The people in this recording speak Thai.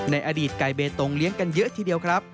ในอดีตไก่เบตงเลี้ยงกันเยอะทีเดียวครับ